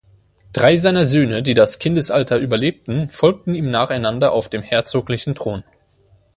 Drei seiner Söhne, die das Kindesalter überlebten, folgten ihm nacheinander auf dem herzoglichen Thron.